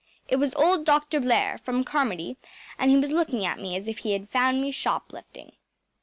It was old Dr. Blair, from Carmody, and he was looking at me as if he had found me shoplifting.